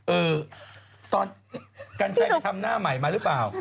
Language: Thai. เออตอนกัญชัยไปทำหน้าใหม่มาหรือเปล่า